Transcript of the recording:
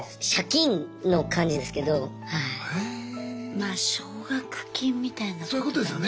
まあ奨学金みたいなことだね。